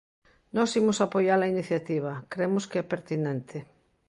Nós imos apoiar a iniciativa, cremos que é pertinente.